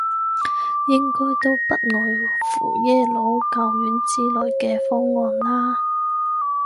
應該都不外乎耶魯、教院之類嘅方案啦